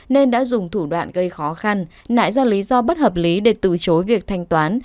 nên đã dùng thủ đoạn gây khó khăn nại ra lý do bất hợp lý để từ chối việc thanh toán